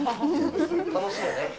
楽しいよね。